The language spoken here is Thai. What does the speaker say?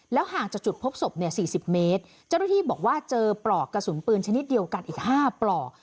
ห่างจากจุดพบศพเนี่ย๔๐เมตรเจ้าหน้าที่บอกว่าเจอปลอกกระสุนปืนชนิดเดียวกันอีก๕ปลอก